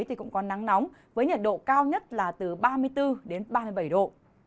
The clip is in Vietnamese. thì cũng có nắng nóng với nhiệt độ cao nhất là từ ba mươi bốn đến ba mươi bảy độ